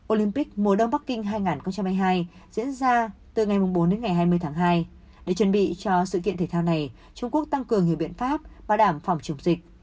olympic mùa đông bắc kinh hai nghìn hai mươi hai diễn ra từ ngày bốn đến ngày hai mươi tháng hai để chuẩn bị cho sự kiện thể thao này trung quốc tăng cường nhiều biện pháp bảo đảm phòng chống dịch